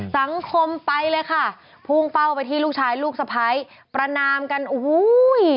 สังคมไปเลยค่ะพุ่งเป้าไปที่ลูกชายลูกสะพ้ายประนามกันโอ้โห